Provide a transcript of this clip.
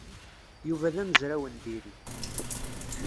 Yuba d amezraw n diri.